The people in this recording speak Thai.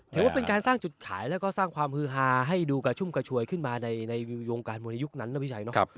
ถือว่าเป็นการสร้างจุดขายแล้วก็สร้างความฮือฮาให้ดูกระชุ่มกระชวยขึ้นมาในวงการมวยในยุคนั้นนะพี่ชัยเนาะ